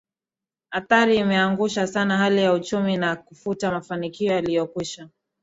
Athari imeangusha sana hali ya Uchumi na kufuta mafanikio yaliyokwisha